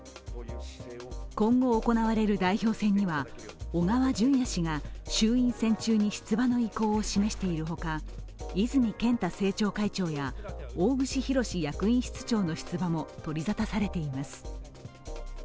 今後行われる代表選には小川淳也氏が衆院選中に出馬の意向を示しているほか、泉健太政調会長や大串博志役員室長の出馬も取り沙汰されています。